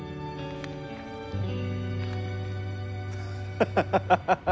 ハハハハハハ。